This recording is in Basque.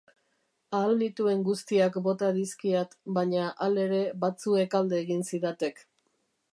Ahal nituen guztiak bota dizkiat, baina halere batzuek alde egin zidatek.